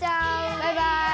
バイバーイ！